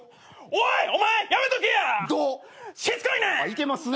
いけますね。